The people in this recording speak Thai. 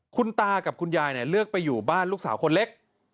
คุณตากับคุณยายเลือกไปอยู่บ้านลูกสาวคนเล็ก